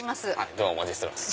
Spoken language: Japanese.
どうもお待ちしてます。